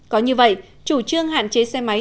có như vậy chủ trương hạn chế xe máy